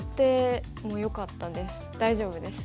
大丈夫です。